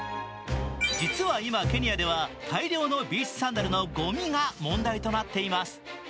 実は今、ケニアでは大量のビーチサンダルのごみが問題となっています。